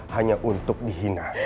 hanya untuk dihina